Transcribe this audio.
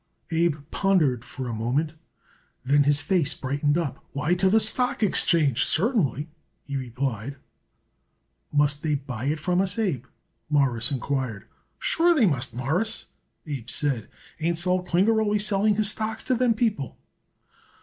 Abe pondered for a moment, then his face brightened up. "Why, to the stock exchange, certainly," he replied. "Must they buy it from us, Abe?" Morris inquired. "Sure they must, Mawruss," Abe said. "Ain't Sol Klinger always selling his stocks to them people?"